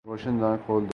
روشن دان کھول دو